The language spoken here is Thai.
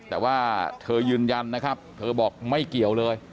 แต่ว่าเธอยืนยันนะครับเธอบอกไม่เกี่ยวเลย